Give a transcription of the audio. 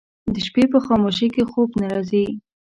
د شپې په خاموشۍ کې خوب نه راځي